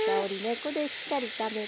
ここでしっかり炒めて。